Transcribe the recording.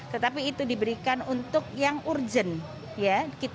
tetapi itu diberikan untuk yang urgent